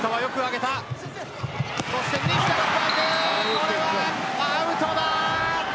これはアウトだ。